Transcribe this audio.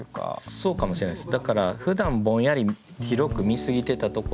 そうかもしれないです。